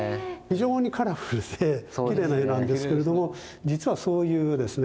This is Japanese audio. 非常にカラフルできれいな絵なんですけれども実はそういうですね